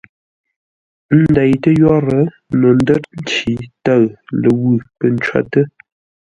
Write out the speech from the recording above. Ə́ ndeitə́ yórə́, no ndə́r nci tə̂ʉ, ləwʉ̂ pə̂ ncwótə́.